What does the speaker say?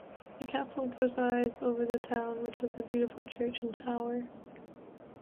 A castle presides over the town, which has a beautiful church and a tower.